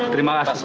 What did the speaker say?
terima kasih pak